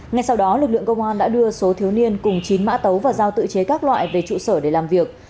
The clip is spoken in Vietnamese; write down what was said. ngay sau đó lực lượng công an đã đưa số thiếu niên cùng chín mã tấu và giao tự chế các loại về trụ sở để làm việc